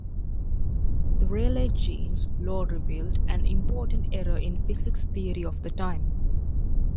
The Rayleigh-Jeans law revealed an important error in physics theory of the time.